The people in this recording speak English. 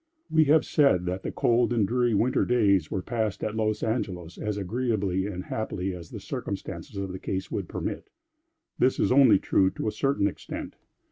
We have said that the cold and dreary winter days were passed at Los Angelos as agreeably and happily as the circumstances of the case would permit. This is only true to a certain extent.